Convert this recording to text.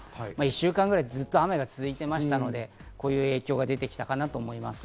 １週間ぐらいずっと雨が続いていましたので、影響が出ているのかなと思います。